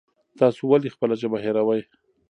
تاسو ولې خپله ژبه هېروئ؟